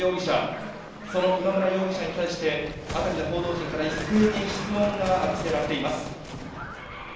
その今村容疑者に対して辺りの報道陣から一斉に質問が浴びせられています。